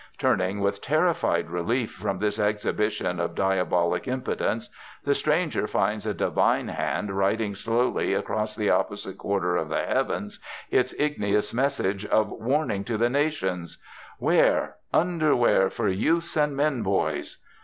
Turning with terrified relief from this exhibition of diabolic impotence, the stranger finds a divine hand writing slowly across the opposite quarter of the heavens its igneous message of warning to the nations, "Wear Underwear for Youths and Men Boys."